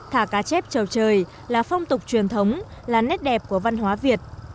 thả cá chép chầu trời là phong tục truyền thống là nét đẹp của văn hóa việt